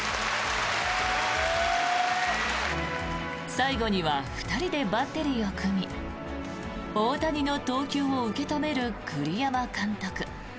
最後には２人でバッテリーを組み大谷の投球を受け止める栗山監督。